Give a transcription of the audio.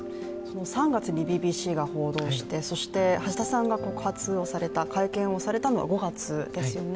３月にＢＢＣが報道して、そして橋田さんが告発、会見をされたのが５月ですよね。